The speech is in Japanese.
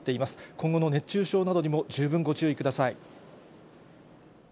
今後の熱中症などにも十分ご注意ください。